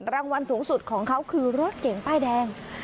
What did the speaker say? รางวัลสูงสุดของเขาคือรถเก่งป้ายแดง